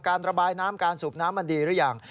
ระบายน้ำการสูบน้ำมันดีหรือยัง